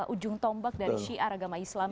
ujung tombak dari syiar agama islam